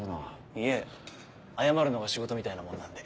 いえ謝るのが仕事みたいなもんなんで。